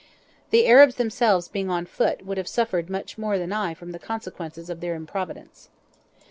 The Arabs themselves being on foot would have suffered much more than I from the consequences of their improvidence.